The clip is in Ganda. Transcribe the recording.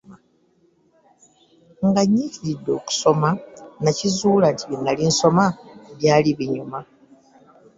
Ng'anyiikiridde okusoma nakizuula nti bye nnali nsoma byali binyuma.